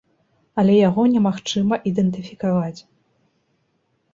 Але яго немагчыма ідэнтыфікаваць.